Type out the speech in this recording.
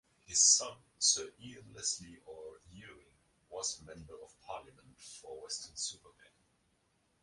His son Sir Ian Leslie Orr-Ewing was Member of Parliament for Weston-super-Mare.